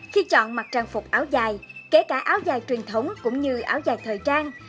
khi chọn mặc trang phục áo dài kể cả áo dài truyền thống cũng như áo dài thời trang